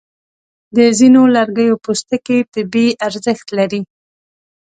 د ځینو لرګیو پوستکي طبي ارزښت لري.